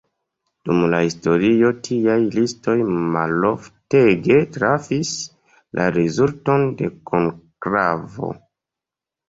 Dum la historio tiaj listoj maloftege trafis la rezulton de konklavo.